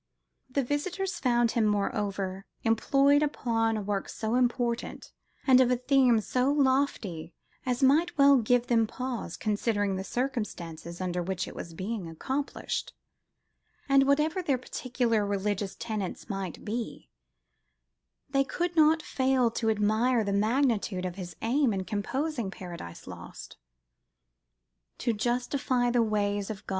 The visitors found him, moreover, employed upon a work so important, and of a theme so lofty, as might well give them pause, considering the circumstances under which it was being accomplished: and whatever their particular religious tenets might be, they could not fail to admire the magnitude of his aim in composing Paradise Lost, "To justify the ways of God to men."